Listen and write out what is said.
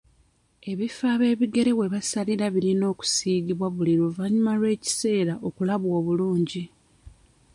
Ebifo ab'ebigere webasalira birina okusiigibwa buli luvannyuma lw'ekiseera okulabwa obulungi.